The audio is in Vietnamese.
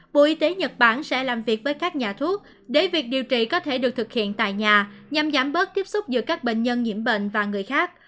bộ y tế nhật bản sẽ làm việc với các nhà thuốc để việc điều trị có thể được thực hiện tại nhà nhằm giảm bớt tiếp xúc giữa các bệnh nhân nhiễm bệnh và người khác